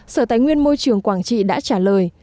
sở tài nguyên môi trường quảng trị đã trả lời